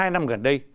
hai năm gần đây